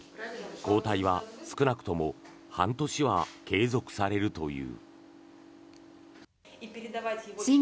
抗体は少なくとも半年は継続されるという。